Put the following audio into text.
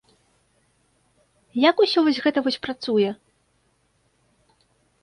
Як усё вось гэта вось працуе?